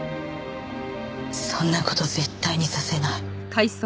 そんな事絶対にさせない。